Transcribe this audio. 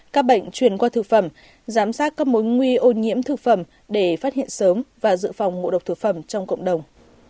các bệnh truyền qua thực phẩm giám sát các mối nguy nhiễm thực phẩm để phát hiện sớm và dự phòng ngộ độc thực phẩm trong cộng đồng